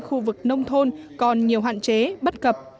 khu vực nông thôn còn nhiều hạn chế bất cập